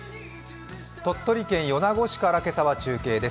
鳥取県米子市から今朝は中継です。